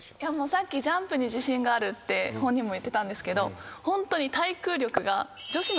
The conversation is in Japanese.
さっきジャンプに自信があるって本人も言ってたんですけどホントに。